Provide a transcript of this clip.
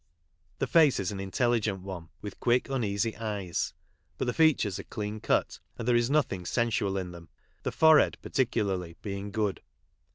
The face is an intelligent one, with quick, uneasy eyes, but the features are clean cut, and there is nothing sensual in them, the forehead, particularly, hmmr mind.